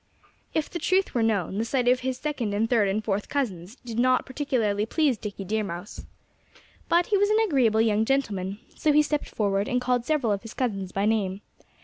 If the truth were known, the sight of his second and third and fourth cousins did not particularly please Dickie Deer Mouse. But he was an agreeable young gentleman. So he stepped forward and called several of his cousins by name.